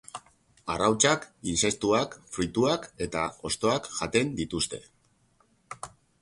Arrautzak, intsektuak, fruituak eta hostoak jaten dituzte.